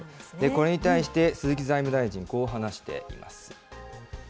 これに対して鈴木財務大臣、こう話しています。